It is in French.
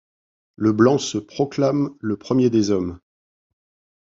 Le blanc se proclame le premier des hommes !